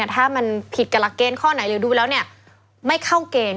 ถ้ามันผิดกับหลักเกณฑ์ข้อไหนหรือดูแล้วไม่เข้าเกณฑ์